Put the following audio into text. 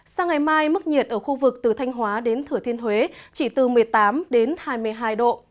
sang ngày mai mức nhiệt ở khu vực từ thanh hóa đến thửa thiên huế chỉ từ một mươi tám đến hai mươi hai độ